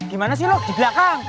gimana sih lo di belakang